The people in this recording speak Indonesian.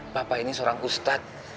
bapak ini seorang ustadz